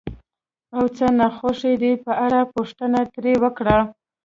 او څه ناخوښ دي په اړه پوښتنې ترې وکړئ،